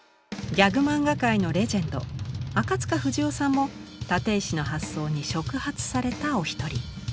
ギャグマンガ界のレジェンド赤不二夫さんも立石の発想に触発されたお一人。